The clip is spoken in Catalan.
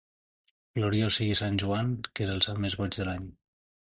Gloriós sigui sant Joan, que és el sant més boig de l'any.